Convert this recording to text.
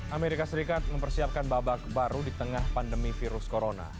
amerika serikat mempersiapkan babak baru di tengah pandemi virus corona